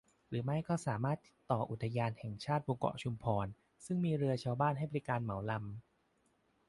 หรือไม่ก็สามารถติดต่ออุทยานแห่งชาติหมู่เกาะชุมพร ซึ่งมีเรือชาวบ้านให้บริการเหมาลำ